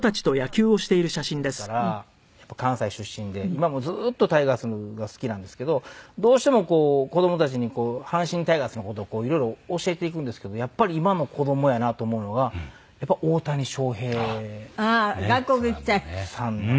今もずーっとタイガースが好きなんですけどどうしても子どもたちにこう阪神タイガースの事をいろいろ教えていくんですけどやっぱり今の子どもやなと思うのがやっぱり大谷翔平さんなんですよ。